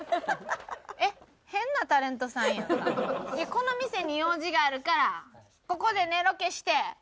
この店に用事があるからここでねロケして。